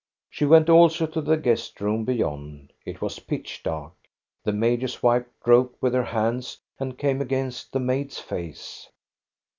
She went also to the guest room beyond. It was pitch dark. The major's wife groped with her hands and came against the maid's face.